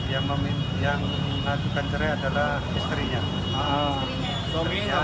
yang mengajukan cerai adalah istrinya